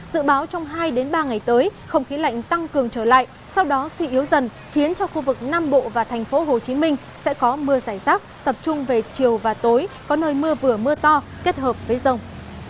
dự báo trong hai ba ngày tới không khí lạnh tăng cường trở lại sau đó suy yếu dần khiến cho khu vực nam bộ và thành phố hồ chí minh sẽ có mưa giải rác tập trung về chiều và tối có nơi mưa vừa mưa to kết hợp với rồng